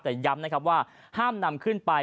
แต่ย้ำนะครับว่าห้ามนำขึ้นไป